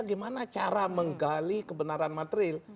bagaimana cara menggali kebenaran materil